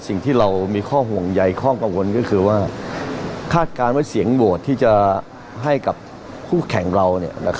สิ่งที่เรามีข้อห่วงใยข้อกังวลก็คือว่าคาดการณ์ว่าเสียงโหวตที่จะให้กับคู่แข่งเรา